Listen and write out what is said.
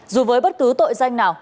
dù với bất cứ tội danh nào